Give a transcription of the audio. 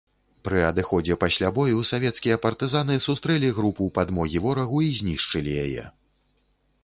Пры адыходзе пасля бою савецкія партызаны сустрэлі групу падмогі ворагу і знішчылі яе.